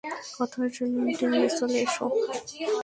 কথা শোনো, টিমে চলে এসো।